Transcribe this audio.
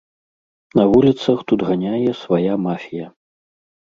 На вуліцах тут ганяе свая мафія.